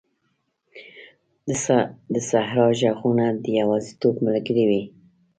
د صحرا ږغونه د یوازیتوب ملګري وي.